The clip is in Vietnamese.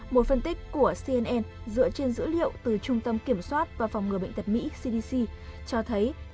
một phân tích của cnn dựa trên dữ liệu từ trung tâm kiểm soát và phòng ngừa bệnh tật mỹ cdc cho thấy